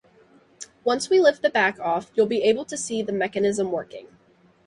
Once we lift the back off you'll be able to see the mechanism working.